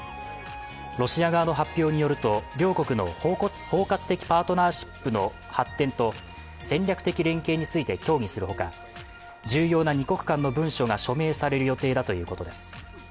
ロシア側の発表によると両国の包括的パートナーシップの発展と戦略的連携について協議するほか、重要な二国間の文書が署名される予定だということです。